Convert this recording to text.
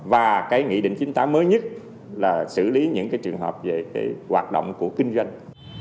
và cái nghị định chính tá mới nhất là xử lý những trường hợp về hoạt động của kinh doanh